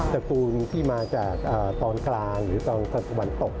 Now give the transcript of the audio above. สกุลที่มาจากตอนกลางหรือตอนสวรรค์ตก